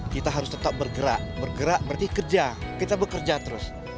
kita harus tetap bergerak bergerak berarti kerja kita bekerja terus